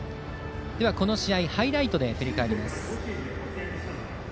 この試合ハイライトで振り返ります。